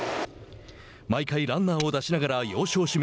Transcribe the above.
毎回ランナーを出しながら要所を締め